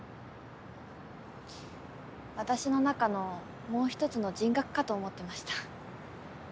私の中のもう一つの人格かと思ってました。